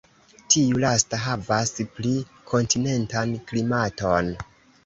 Tiu lasta havas pli kontinentan klimaton.